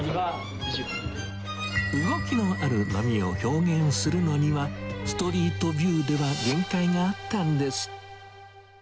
動きのある波を表現するのには、ストリートビューでは限界があったんです。